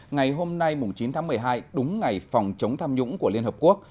ngày hôm nay chín tháng một mươi hai đúng ngày phòng chống tham nhũng của liên hợp quốc